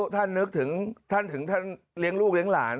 นึกถึงท่านถึงท่านเลี้ยงลูกเลี้ยงหลาน